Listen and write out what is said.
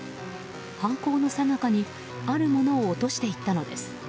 犯行のさなかにあるものを落としていったのです。